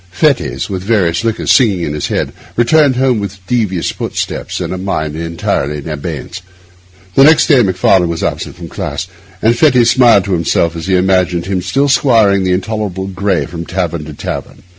Fettes, with various liquors singing in his head, returned home with devious footsteps and a mind entirely in abeyance. Next day Macfarlane was absent from the class, and Fettes smiled to himself as he imagined him still squiring the intolerable Gray from tavern to tavern.